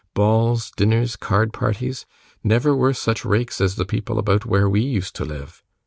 Balls, dinners, card parties! Never were such rakes as the people about where we used to live.